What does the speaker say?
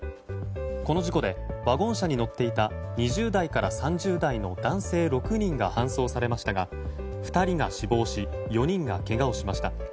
この事故でワゴン車に乗っていた２０代から３０代の男性６人が搬送されましたが２人が死亡し４人がけがをしました。